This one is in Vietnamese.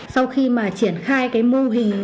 sau khi mà triển khai cái mô hình